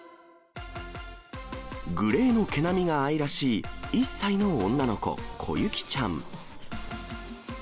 グレーの毛並みが愛らしい１歳の女の子、こゆきちゃん。